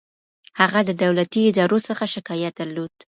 هغه د دولتي ادارو څخه شکايت درلود.